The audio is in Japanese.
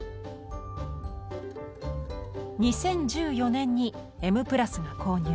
２０１４年に「Ｍ＋」が購入。